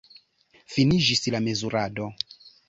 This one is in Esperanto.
Finiĝis la mezurado.